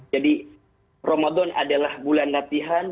jadi ramadan adalah bulan latihan